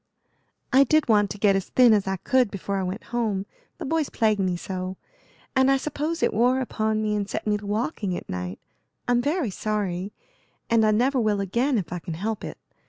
"I did want to get as thin as I could before I went home, the boys plague me so; and I suppose it wore upon me and set me to walking at night. I'm very sorry, and I never will again if I can help it.